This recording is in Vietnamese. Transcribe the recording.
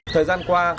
thời gian qua